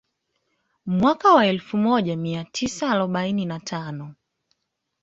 Mwaka wa elfu moja mia tisa arobaini na tano